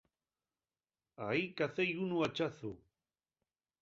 Ahí cacéi unu a ḷḷazu.